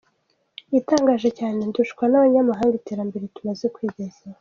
Igitangaje cyane, dushimwa n’abanyamahanga iterambere tumaze kwigezaho.